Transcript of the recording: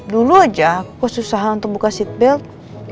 dulu aja aku susah untuk buka seatbelt